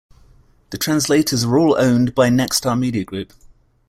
The translators are all owned by Nexstar Media Group.